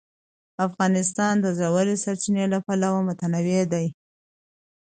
افغانستان د ژورې سرچینې له پلوه متنوع دی.